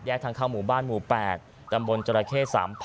ทางเข้าหมู่บ้านหมู่๘ตำบลจรเข้๓๐๐